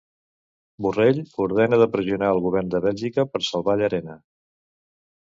Borrell ordena de pressionar el govern de Bèlgica per salvar Llarena.